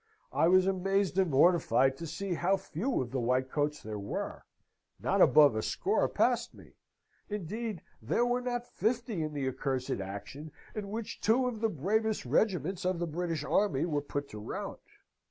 I was amazed and mortified to see how few of the whitecoats there were. Not above a score passed me; indeed there were not fifty in the accursed action in which two of the bravest regiments of the British army were put to rout.